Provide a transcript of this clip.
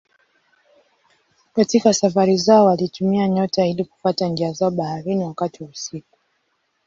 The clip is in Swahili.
Katika safari zao walitumia nyota ili kufuata njia zao baharini wakati wa usiku.